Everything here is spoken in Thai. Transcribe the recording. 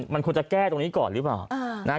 มันควรจะแก้ตรงนี้ก่อนหรือเปล่า